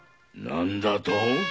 何だと！